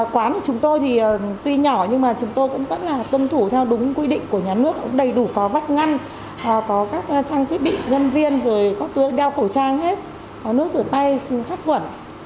quán của chúng tôi thì tuy nhỏ nhưng mà chúng tôi cũng vẫn là tuân thủ theo đúng quy định của nhà nước đầy đủ có vắt ngăn có các trang thiết bị nhân viên rồi có tướng đeo khẩu trang hết có nước rửa tay xin khắc thuẩn